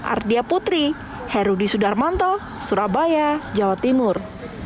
ardia putri herudi sudarmanto surabaya jawa timur